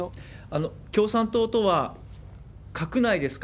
共産党とは閣内ですか？